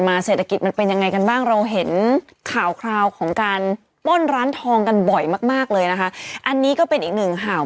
อัธิบายกว่าเยอะ๗๕นะครับเกือบ๗๖